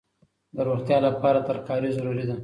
د روغتیا لپاره ترکاري ضروري ده.